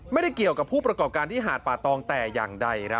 ไม่ได้เกี่ยวกับผู้ประกอบการที่หาดป่าตองแต่อย่างใด